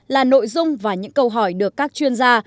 là nội dung và những câu hỏi được các chuyên gia